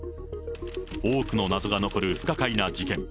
多くの謎が残る不可解な事件。